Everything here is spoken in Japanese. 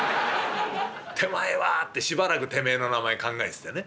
『手前は』ってしばらくてめえの名前考えててね」。